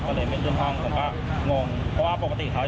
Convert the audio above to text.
ส่วนศพของหญิงสาวปริศนานี่นะคะ